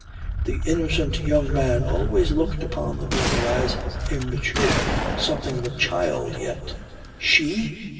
The innocent young man always looked upon the girl as immature; something of a child yet. "She!